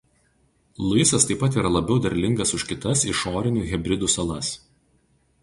Luisas taip pat yra labiau derlingas už kitas Išorinių Hebridų salas.